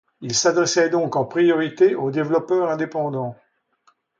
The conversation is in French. Il s'adressait donc en priorité aux développeurs indépendants.